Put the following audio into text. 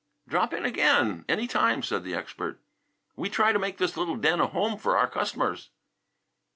"Drop in again any time," said the expert. "We try to make this little den a home for our customers."